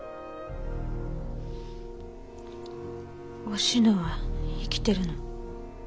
おしのは生きてるの。